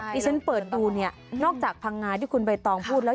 ที่ฉันเปิดดูเนี่ยนอกจากพังงาที่คุณใบตองพูดแล้ว